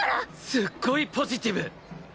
すっごいポジティブ。